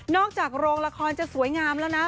อกจากโรงละครจะสวยงามแล้วนะ